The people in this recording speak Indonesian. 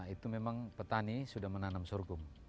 itu memang petani sudah menanam sorghum